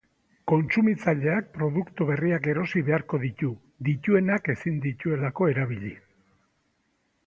Kontsumitzaileak produktu berriak erosi beharko ditu, dituenak ezin dituelako erabili.